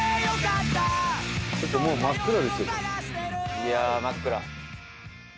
いやあ真っ暗。